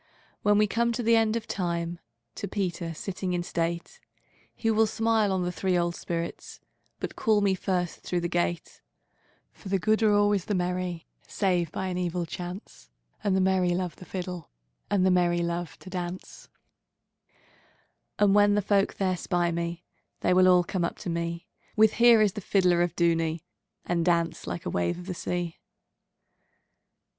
When we come at the end of time, To Peter sitting in state, He will smile on the three old spirits, But call me first through the gate; For the good are always the merry, Save by an evil chance, And the merry love the fiddleAnd the merry love to dance:And when the folk there spy me, They will all come up to me, With 'Here is the fiddler of Dooney!'And dance like a wave of the sea.